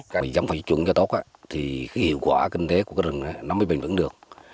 cái giống phải chuẩn cho tốt thì hiệu quả kinh tế của cái rừng nó mới bền vững được